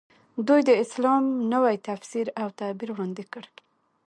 دوی د اسلام نوی تفسیر او تعبیر وړاندې کړ.